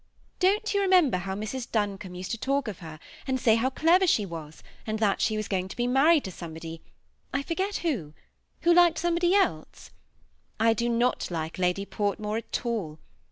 Don't you remember how Mrs. Dai)combe used to talk of her, and say how dev^ she wasy and that she was going to be married to 92 THE SEMI ATTACHED COUPLE. somebody, I forget who, who liked somebody else? I do not like Lady Portmore at all.